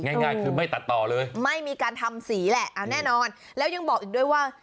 ง่ายคือไม่ตัดต่อเลยไม่มีการทำสีแหละเอาแน่นอนแล้วยังบอกอีกด้วยว่า